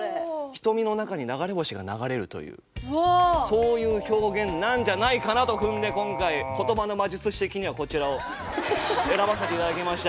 瞳の中に流れ星が流れるというそういう表現なんじゃないかなと踏んで今回言葉の魔術師的にはこちらを選ばせて頂きました。